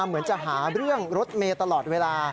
เหมือนจะหาเรื่องรถเมย์ตลอดเวลา